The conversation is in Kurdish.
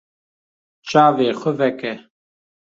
Çavê xwe veke.